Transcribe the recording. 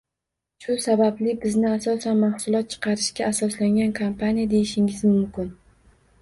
Shu sababli bizni asosan mahsulot chiqarishga asoslangan kompaniya deyishingiz mumkin.